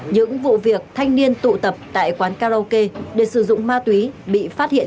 những vụ việc thanh niên tụ tập tại quán karaoke để sử dụng ma túy bị phát hiện